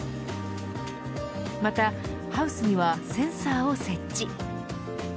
またハウスにはセンサーを設置。